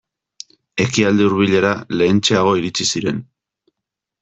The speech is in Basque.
Ekialde Hurbilera lehentxeago iritsi ziren.